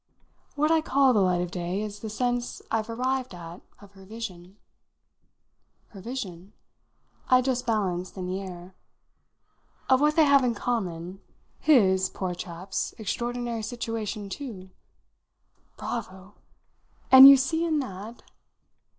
"What I call the light of day is the sense I've arrived at of her vision." "Her vision?" I just balanced in the air. "Of what they have in common. His poor chap's extraordinary situation too." "Bravo! And you see in that